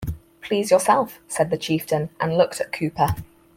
"Please yourself," said the Chieftain and looked at Cooper.